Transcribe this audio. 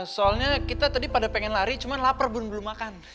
soalnya kita tadi pada pengen lari cuma lapar pun belum makan